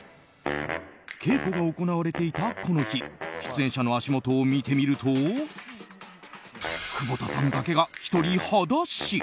稽古が行われていた、この日出演者の足元を見てみると久保田さんだけが１人裸足。